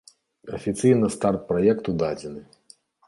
Афіцыйна старт праекту дадзены.